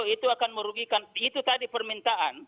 itu akan merugikan itu tadi permintaan